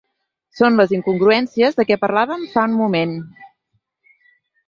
Són les incongruències de què parlàvem fa un moment.